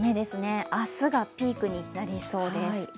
明日がピークになりそうです。